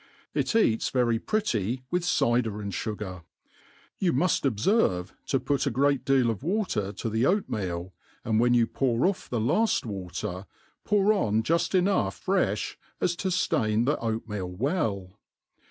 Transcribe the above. " It eats very pretty with cyder and fugar. You «4 S9d THE ART OF COOKERY You muft obferve to put a great deal of water to the oat* meal and when you pbur off the laft water, pour on juft enoi^h frefh as to 'ftain the oatmeal well.